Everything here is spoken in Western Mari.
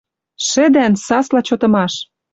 Шӹдӓн, сасла чотымаш.